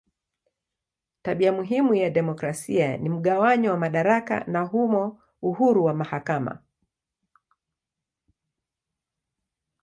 Tabia muhimu ya demokrasia ni mgawanyo wa madaraka na humo uhuru wa mahakama.